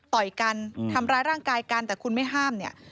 ต่อยกันทำร้ายร่างกายกันแต่คุณไม่ห้ามเนี่ย